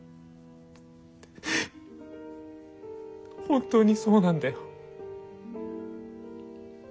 本当にそうなんだよ。